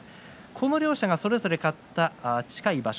この両者がそれぞれ勝った近い場所